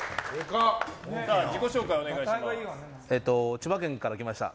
千葉県から来ました